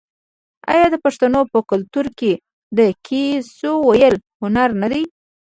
آیا د پښتنو په کلتور کې د کیسو ویل هنر نه دی؟